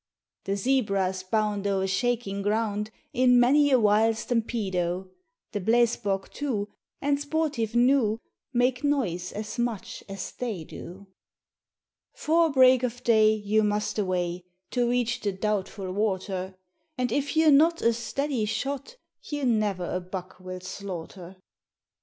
The zebras bound o'er shaking ground In many a wild stampedo; The blesbok, too, and sportive gnu, Make noise as much as they do. 'Fore break of day you must away To reach the doubtful water, And if you're not a steady shot You ne'er a buck will slaughter.